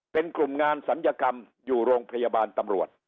เป็นกลุ่มงานศัลยกรรมอยู่โรงพยาบาลตำรวจ